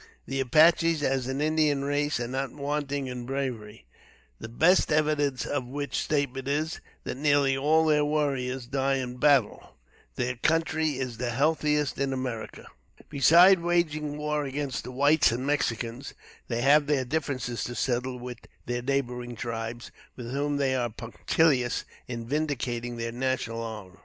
The Apaches, as an Indian race, are not wanting in bravery, the best evidence of which statement is, that nearly all their warriors die in battle. Their country is the healthiest in America. Besides waging war against the whites and Mexicans, they have their differences to settle with their neighboring tribes, with whom they are punctilious in vindicating their national honor.